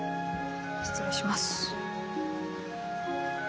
失礼します。